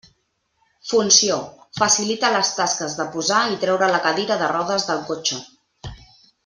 Funció: facilita les tasques de posar i treure la cadira de rodes del cotxe.